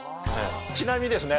ちなみにですね。